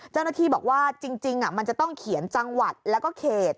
เจ้าหน้าที่บอกว่าจริงมันจะต้องเขียนจังหวัดแล้วก็เขต